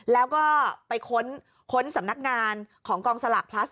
แล้วก็ไปค้นสำนักงานของกองสลากพลัส